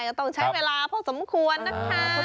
ก็ต้องใช้เวลาพอสมควรนะคะ